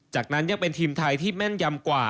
จากนั้นยังเป็นทีมไทยที่แม่นยำกว่า